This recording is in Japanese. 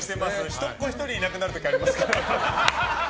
人っ子一人いなくなる時あります。